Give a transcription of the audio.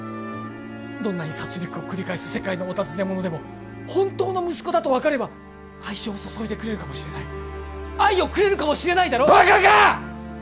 どんなに殺りくを繰り返す世界のお尋ね者でも本当の息子だと分かれば愛情を注いでくれるかもしれない愛をくれるかもしれないだろバカか！